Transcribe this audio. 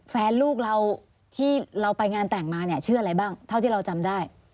แฟนลูกเราที่เราไปงานแต่งมาเนี่ยชื่ออะไรบ้างเท่าที่เราจำได้